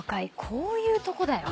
こういうとこだよ。